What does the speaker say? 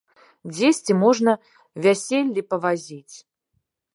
Дзесьці можна вяселлі павазіць.